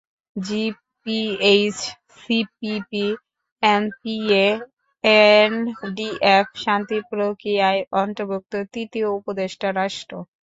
GPH CPP NPA NDF শান্তি প্রক্রিয়ার অন্তর্ভুক্ত তৃতীয় উপদেষ্টা রাষ্ট্র।